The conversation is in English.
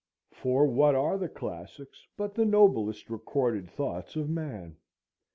For what are the classics but the noblest recorded thoughts of man?